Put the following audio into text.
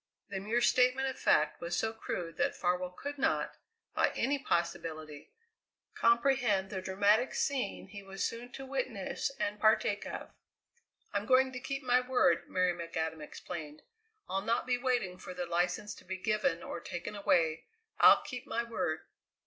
The mere statement of fact was so crude that Farwell could not, by any possibility, comprehend the dramatic scene he was soon to witness and partake of. "I'm going to keep my word," Mary McAdam explained. "I'll not be waiting for the license to be given, or taken away, I'll keep my word."